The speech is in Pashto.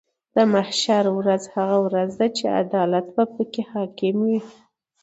د محشر ورځ هغه ورځ ده چې عدالت به پکې حاکم وي .